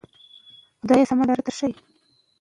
ګورګین د تفلیس په غرونو کې پټ شوی و.